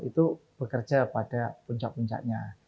itu juga merupakan puncak puncaknya